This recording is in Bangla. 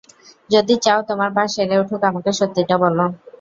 যদি চাও তোমার পা সেরে উঠুক, আমাকে সত্যিটা বলো।